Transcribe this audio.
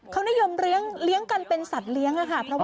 เขานิยมเลี้ยงกันเป็นสัตว์เลี้ยงค่ะ